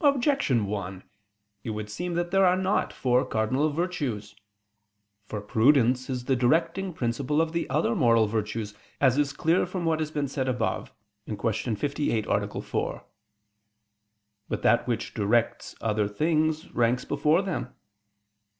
Objection 1: It would seem that there are not four cardinal virtues. For prudence is the directing principle of the other moral virtues, as is clear from what has been said above (Q. 58, A. 4). But that which directs other things ranks before them.